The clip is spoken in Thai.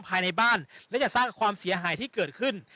ภายในบ้านและจะสร้างความเสียหายที่เกิดขึ้น